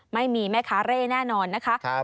ไม่มีแม่ค้าเร่แน่นอนนะคะ